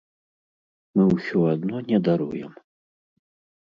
Мы ўсё адно не даруем!